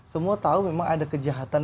semua tahu memang ada kejahatan